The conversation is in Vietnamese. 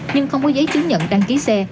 nhưng không có giấy chứng nhận đăng ký xe